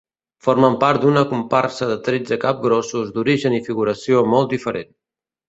Formen part d’una comparsa de tretze capgrossos d'origen i figuració molt diferent.